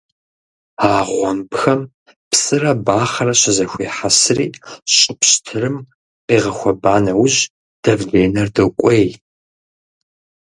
А гъуэмбхэм псырэ бахъэрэ щызэхуехьэсри, щӀы пщтырым къигъэхуэба нэужь, давленэр докӀуей.